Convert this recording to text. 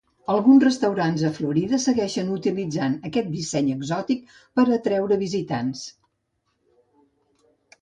Alguns restaurants a Florida segueixen utilitzant aquest disseny exòtic per atreure visitants.